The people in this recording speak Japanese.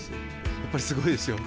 やっぱりすごいですよ。